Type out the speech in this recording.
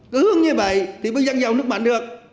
cưới hướng như vậy thì mới gian giao nước mạng được